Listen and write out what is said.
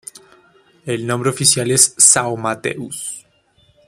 El nombre oficial es São Mateus.